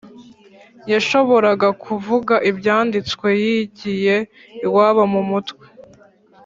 yashoboraga kuvuga ibyanditswe yigiye iwabo mu mutwe